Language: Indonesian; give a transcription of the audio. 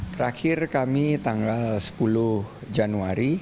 terakhir kami tanggal sepuluh januari